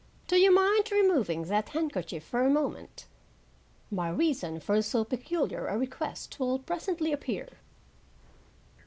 Do you mind removing that handkerchief for a moment? My reason for so peculiar a request will presently appear."